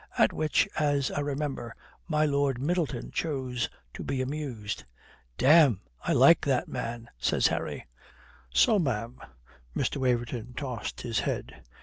At which, as I remember, my Lord Middleton chose to be amused." "Damme, I like that man," says Harry. "So, ma'am," Mr. Waverton tossed his head.